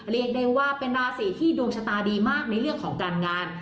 เรียกได้ว่าเป็นราศีที่ดวงชะตาดีมากในเรื่องของการงาน